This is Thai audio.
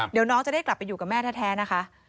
เดี๋ยวน้องจะได้กลับไปอยู่กับแม่แท้นะคะ